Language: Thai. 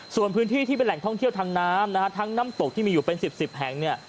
ส่วนพื้นที่ที่เป็นแหล่งท่องเที่ยวทางน้ำนะฮะทั้งน้ำตกที่มีอยู่เป็น๑๐แห่งเนี่ย